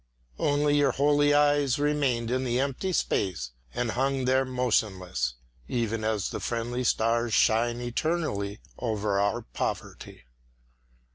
Only your holy eyes remained in the empty space and hung there motionless, even as the friendly stars shine eternally over our poverty.